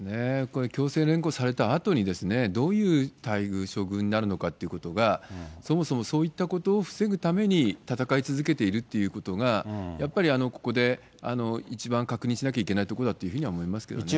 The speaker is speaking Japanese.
これ、強制連行されたあとに、どういう待遇、処遇になるのかっていうことが、そもそもそういったことを防ぐために戦い続けているということが、やっぱりここで一番確認しなきゃいけないことだって思いますけどもね。